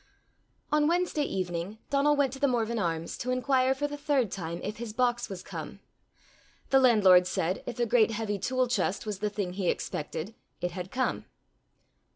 On Wednesday evening Donal went to The Morven Arms to inquire for the third time if his box was come. The landlord said, if a great heavy tool chest was the thing he expected, it had come.